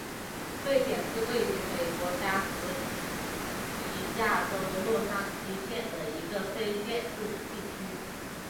沸点是位于美国加利福尼亚州洛杉矶县的一个非建制地区。